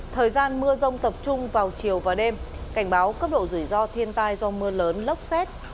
thời gian mưa rông tập trung vào chiều và đêm cảnh báo cấp độ rủi ro thiên tai do mưa lớn lốc xét